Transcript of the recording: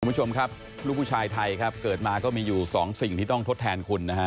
คุณผู้ชมครับลูกผู้ชายไทยครับเกิดมาก็มีอยู่สองสิ่งที่ต้องทดแทนคุณนะฮะ